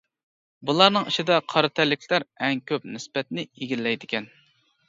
بۇلارنىڭ ئىچىدە قارا تەنلىكلەر ئەڭ كۆپ نىسبەتنى ئىگىلەيدىكەن.